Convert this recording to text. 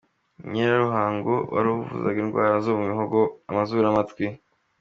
Nyiraruhango wavuraga indwara zo mu muhogo, amazuru n’amatwi.